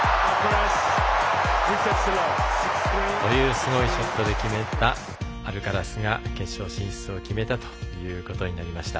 という、すごいショットで決めたアルカラスが決勝進出を決めたということになりました。